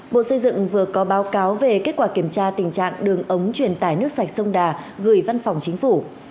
bộ xây dựng vừa có báo cáo về kết quả kiểm tra tình trạng đường ống truyền tải nước sạch sông đà gửi văn phòng chính phủ